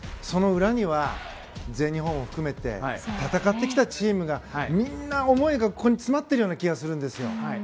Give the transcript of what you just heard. その裏には全日本を含めて戦ってきたチームがみんな思いがここに思いが詰まっている気がするんです。